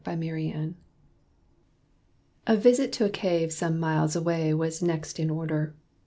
PART V. A visit to a cave some miles away Was next in order.